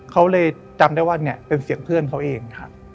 เขาเลยจำได้ว่าเนี่ยเป็นเสียงเพื่อนเขาเอง